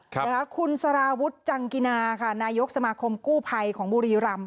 คุณสารวุฒิจังกินาค่ะนายกสมาคมกู้ภัยของบุรีรำ